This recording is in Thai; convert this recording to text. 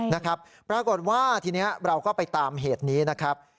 นะครับปรากฏว่าทีนี้เราก็ไปตามเหตุนี้นะครับ